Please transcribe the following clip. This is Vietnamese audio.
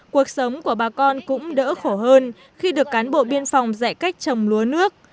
cuộc sống của bà con cũng đỡ khổ hơn khi được cán bộ biên phòng dạy cách trồng lúa nước